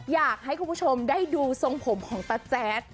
อยากให้คุณผู้ชมได้ดูทรงผมของตาแจ๊ด